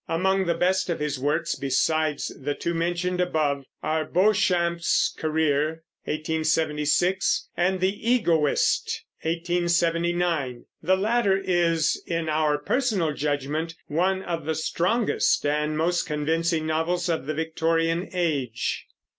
Among the best of his works, besides the two mentioned above, are Beauchamp's Career (1876) and The Egoist (1879). The latter is, in our personal judgment, one of the strongest and most convincing novels of the Victorian Age.